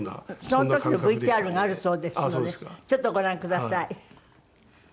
その時のＶＴＲがあるそうですのでちょっとご覧ください。